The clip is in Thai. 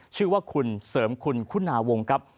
ชื่อว่าคุณเสริมคุณคุณาวงครับ